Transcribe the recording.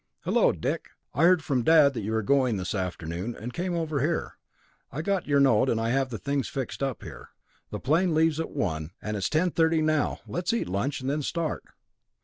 "Hello, Dick! I heard from Dad that you were going this afternoon, and came over here. I got your note and I have the things fixed up here. The plane leaves at one, and it's ten thirty now. Let's eat lunch and then start."